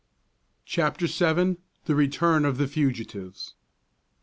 CHAPTER VII. THE RETURN OF THE FUGITIVES.